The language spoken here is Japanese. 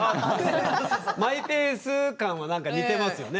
マイペース感はなんか似てますよね。